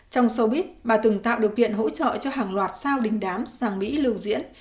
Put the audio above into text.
trong sâu bít bà từng tạo được kiện hỗ trợ cho hàng loạt sao đình đám sang mỹ lưu diễn